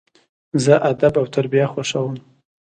زه ادب او تربیه خوښوم.